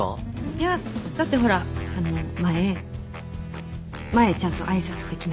いやだってほらあの前前ちゃんと挨拶できなかったから。